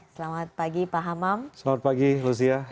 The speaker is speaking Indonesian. selamat pagi pak hamam selamat pagi lucia